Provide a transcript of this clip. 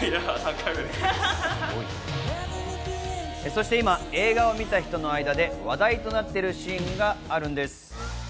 そして今、映画を見た人の間で話題となっているシーンがあるんです。